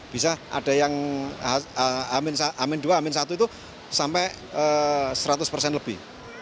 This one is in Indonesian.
bisa ada yang amin dua amin satu itu sampai seratus persen lebih